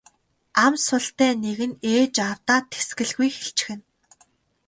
Ам султай нэг нь ээж аавдаа тэсгэлгүй хэлчихнэ.